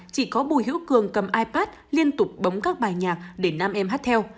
chỉ có bùi hữu cường cầm ipad liên tục bấm các bài nhạc để nam em hát theo